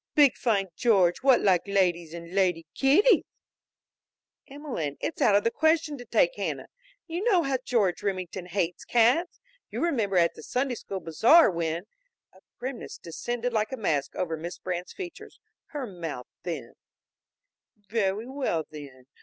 Big fine George what like ladies and lady kitties!" "Emelene, it's out of the question to take Hanna. You know how George Remington hates cats! You remember at the Sunday School Bazaar when " A grimness descended like a mask over Miss Brand's features. Her mouth thinned. "Very well, then.